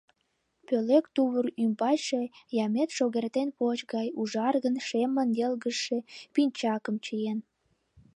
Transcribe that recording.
Пӧлек тувыр ӱмбачше Ямет шогертен поч гай ужаргын-шемын йылгыжше пинчакым чиен.